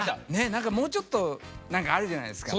何かもうちょっと何かあるじゃないですか。